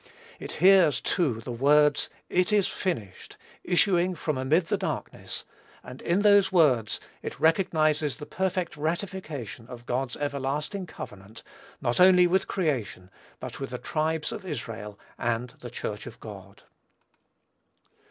It hears, too, the words, "It is finished," issuing from amid the darkness, and in those words it recognizes the perfect ratification of God's everlasting covenant, not only with creation, but with the tribes of Israel and the Church of God.